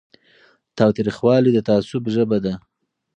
تاوتریخوالی د تعصب ژبه ده